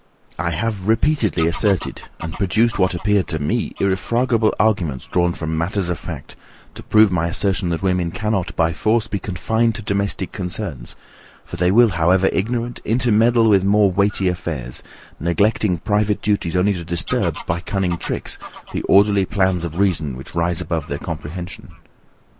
I have repeatedly asserted, and produced what appeared to me irrefragable arguments drawn from matters of fact, to prove my assertion, that women cannot, by force, be confined to domestic concerns; for they will however ignorant, intermeddle with more weighty affairs, neglecting private duties only to disturb, by cunning tricks, the orderly plans of reason which rise above their comprehension.